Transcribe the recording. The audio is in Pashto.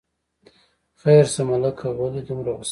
خیر شه ملکه، ولې دومره غوسه یې.